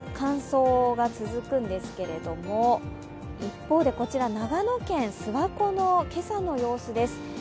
そんな太平洋側は乾燥が続くんですけども一方でこちら、長野県諏訪湖の今朝の様子です。